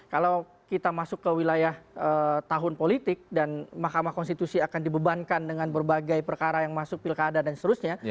kalau kita masuk ke wilayah tahun politik dan mahkamah konstitusi akan dibebankan dengan berbagai perkara yang masuk pilkada dan seterusnya